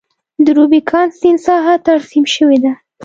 د روبیکان سیند ساحه ترسیم شوې ده.